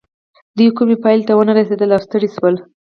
دوی کومې پايلې ته ونه رسېدل او ستړي شول.